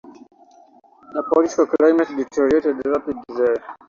The political climate deteriorated rapidly.